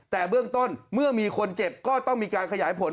แต่เบื้องต้นเมื่อมีคนเจ็บก็ต้องมีการขยายผล